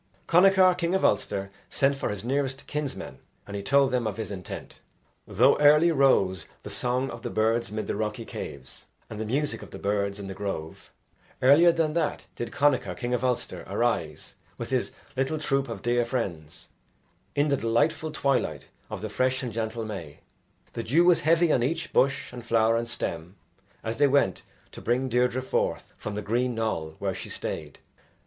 Connachar, king of Ulster, sent for his nearest kinsmen, and he told them of his intent. Though early rose the song of the birds mid the rocky caves and the music of the birds in the grove, earlier than that did Connachar, king of Ulster, arise, with his little troop of dear friends, in the delightful twilight of the fresh and gentle May; the dew was heavy on each bush and flower and stem, as they went to bring Deirdre forth from the green knoll where she stayed.